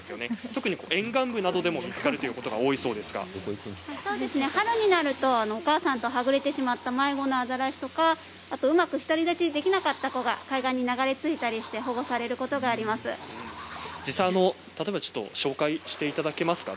特に沿岸部でも見つかることがそうですね、春になるとお母さんとはぐれてしまった迷子のアザラシとかうまく独り立ちできなかった子が海岸に流れ着いて紹介してもらえますか。